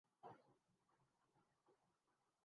Punjab revenue authority کا tax نادہندگان کیلئے پیکج کا اعلان